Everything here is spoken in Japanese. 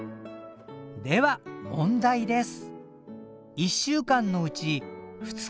では問題です。